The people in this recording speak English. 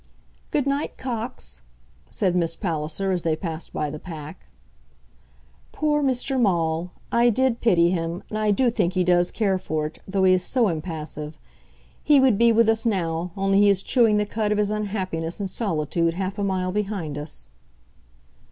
"Good night, Cox," said Miss Palliser, as they passed by the pack. "Poor Mr. Maule! I did pity him, and I do think he does care for it, though he is so impassive. He would be with us now, only he is chewing the cud of his unhappiness in solitude half a mile behind us."